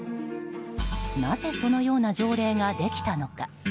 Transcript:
なぜそのような条例ができたのか。